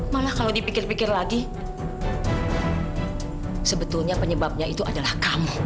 malah kalau dipikir pikir lagi sebetulnya penyebabnya itu adalah kamu